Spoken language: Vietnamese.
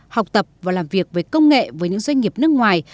học tập và làm việc về công nghệ với những doanh nghiệp nước ngoài